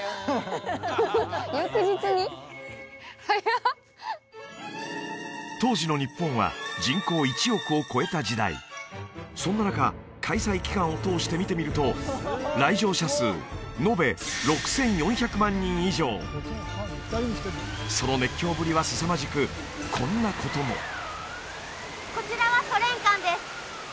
早っ当時の日本は人口１億を超えた時代そんな中開催期間を通して見てみると来場者数延べ６４００万人以上その熱狂ぶりはすさまじくこんなこともこちらはソ連館です